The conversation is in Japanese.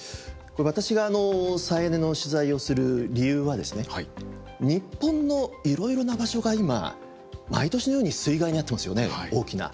私が再エネの取材をする理由はですね日本のいろいろな場所が今毎年のように水害に遭ってますよね大きな。